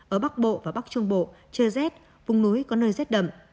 ở bắc bộ và bắc trung bộ trời rét vùng núi có nơi rét đậm